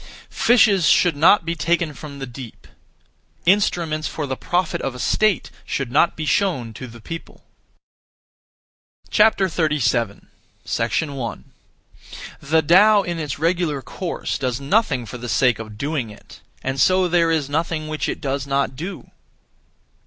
Fishes should not be taken from the deep; instruments for the profit of a state should not be shown to the people. 37. 1. The Tao in its regular course does nothing (for the sake of doing it), and so there is nothing which it does not do.